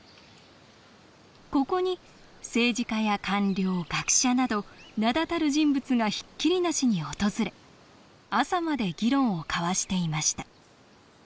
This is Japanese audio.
ここに政治家や官僚学者など名だたる人物がひっきりなしに訪れ朝まで議論を交わしていました。